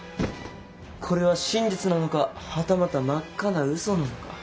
これは真実なのかはたまた真っ赤なうそなのか。